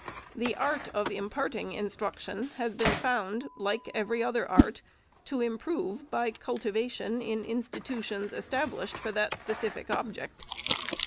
The art of im parting instruction has been found, like every other art, to improve by cultivation in institutions established for that specific object.